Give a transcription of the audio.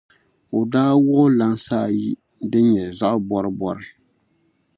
o daa wuɣi lans’ ayi din nyɛ zaɣ’ bɔribɔri.